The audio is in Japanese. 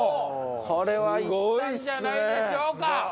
これはいったんじゃないでしょうか？